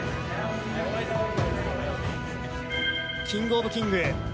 キングオブキング。